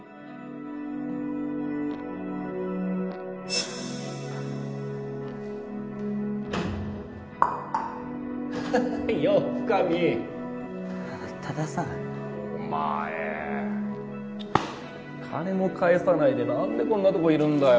コッコッ（多多田さんお前バシッ金も返さないでなんでこんなとこいるんだよ。